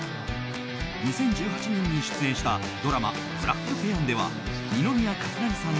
２０１８年に出演したドラマ「ブラックペアン」では二宮和也さん